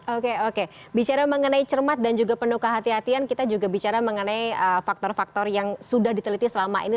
oke oke bicara mengenai cermat dan juga penuh kehatian kita juga bicara mengenai faktor faktor yang sudah diteliti selama ini